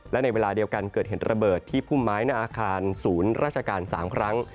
และในเวลาเดียวกันเกิดเหตุระเบิดที่พุ่มไม้หน้าอาคารศูนย์ราชการ๓ครั้ง